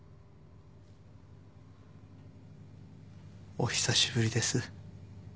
お久しぶりです